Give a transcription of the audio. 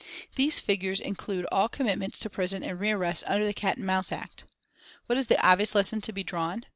These figures include all commitments to prison and rearrests under the Cat and Mouse Act. What is the obvious lesson to be drawn?